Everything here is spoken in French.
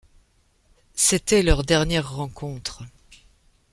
C’était leur dernière rencontre.